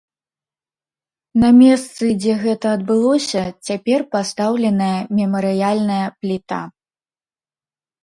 На месцы, дзе гэта адбылося, цяпер пастаўленая мемарыяльная пліта.